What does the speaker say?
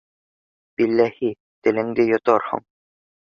Билләһи, телеңде йоторһоң.